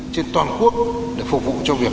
trên toàn quốc để phục vụ cho việc